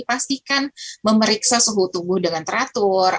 pastikan memeriksa suhu tubuh dengan teratur